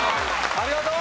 ありがとう！